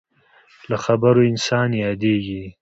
له خبرو انسان یادېږي.